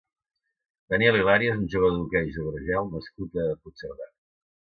Daniel Hilario és un jugador d'hoquei sobre gel nascut a Puigcerdà.